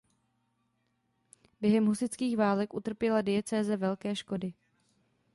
Během husitských válek utrpěla diecéze velké škody.